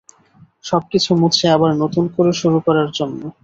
সবকিছু মুছে আবার নতুন করে শুরু করার জন্য।